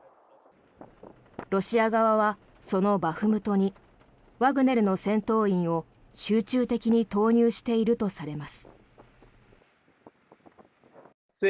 ロシア側はそのバフムトにワグネルの戦闘員を集中的に投入しているとされます。